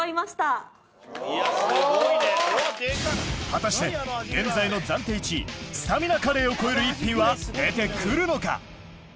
果たして現在の暫定１位スタミナカレーを超える一品は出て来るのか？